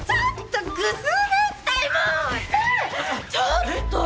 ちょっと！